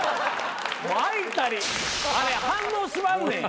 開いたりあれ反応しまんねん。